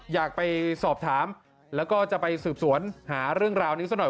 อยากไปสอบถามแล้วก็จะไปสืบสวนหาเรื่องราวนี้ซะหน่อย